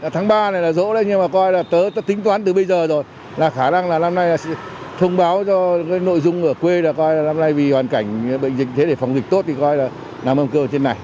tháng ba này là rỗ đây nhưng mà coi là tớ tính toán từ bây giờ rồi là khả năng là năm nay là thông báo cho cái nội dung ở quê là coi là năm nay vì hoàn cảnh bệnh dịch thế để phòng dịch tốt thì coi là nằm ôm cơ ở trên này